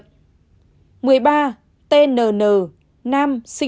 một mươi ba tnn nữ sinh năm một nghìn chín trăm sáu mươi bốn địa chỉ việt hưng long biên